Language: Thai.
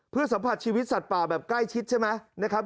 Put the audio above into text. เพื่อสัมผัสชีวิตสัตว์ป่าแบบใกล้ชิดใช่ไหมนะครับ